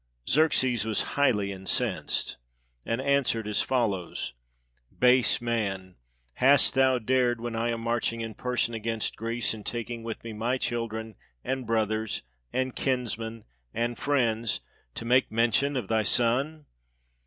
Xerxes was highly incensed, and answered as follows: " Base man! hast thou dared, when I am marching in person against Greece, and taking with me my children, and brothers, and kinsmen, and friends, to make men tion of thy son?